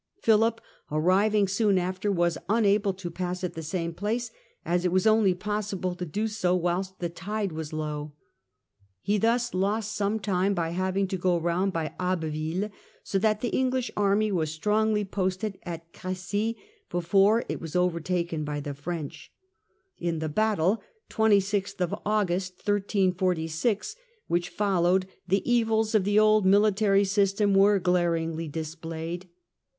Philip arriving soon after was unable to pass at the same place as it was only possible to do so whilst the tide was low. He thus lost some time by having to go round by Abbeville, so that the EngHsh army was strongly posted at Cre9y before it was overtaken by the Battle of French. In the battle which followed the evils of the old Aug.^iS' military system were glaringly displayed.